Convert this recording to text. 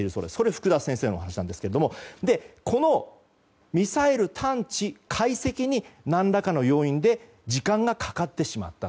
福田先生のお話なんですけどもこのミサイル探知・解析に何らかの要因で時間がかかってしまった。